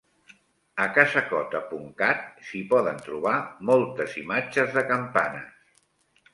A casacota.cat s'hi poden trobar moltes imatges de campanes.